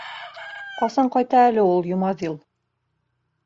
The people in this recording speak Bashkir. — Ҡасан ҡайта әле ул Йомаҙил.